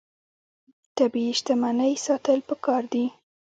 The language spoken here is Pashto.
طبیعي شتمنۍ ساتل پکار دي.